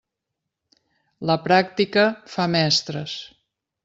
La pràctica fa mestres.